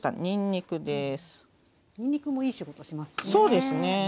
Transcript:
にんにくもいい仕事しますよね。